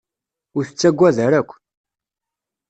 Ur tettaggad ara akk.